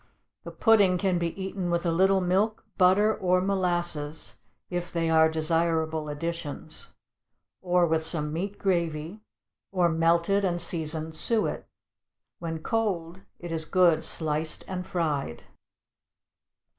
The pudding can be eaten with a little milk, butter, or molasses, if they are desirable additions; or with some meat gravy, or melted and seasoned suet. When cold it is good sliced and fried.